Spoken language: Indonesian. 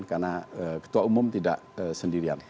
karena ketua umum tidak sendirian